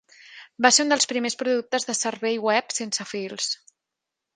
Va ser un dels primers productes de servei web sense fils.